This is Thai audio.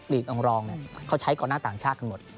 อังรองเขาใช้ก่อนหน้าต่างชาติกันหมด